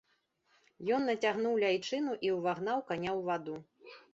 Ён нацягнуў ляйчыну і ўвагнаў каня ў ваду.